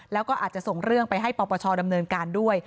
แล้วก็อาจจะส่งเรื่องไปให้ปปชดำเนินการด้วย